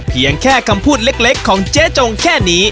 เพียงแค่คำพูดเล็กของเจ๊จงแค่นี้